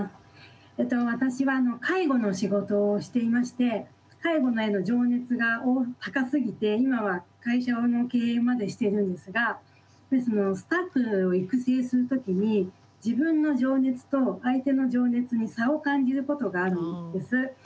私は介護の仕事をしていまして介護への情熱が高すぎて今は会社の経営までしているんですがスタッフを育成する時に自分の情熱と相手の情熱に差を感じることがあるんです。